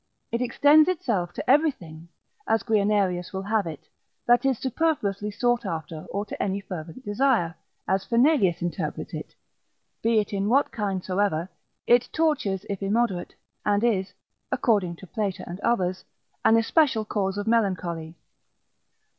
It extends itself to everything, as Guianerius will have it, that is superfluously sought after:' or to any fervent desire, as Fernelius interprets it; be it in what kind soever, it tortures if immoderate, and is (according to Plater and others) an especial cause of melancholy.